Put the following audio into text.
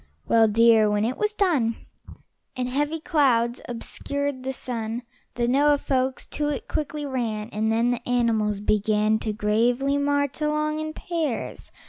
Well, dear, when it was done, And heavy clouds obscured the sun, The Noah folks to it quickly ran, And then the animals began To gravely march along in pairs.